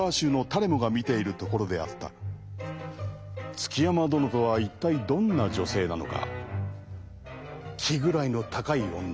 築山殿とは一体どんな女性なのか。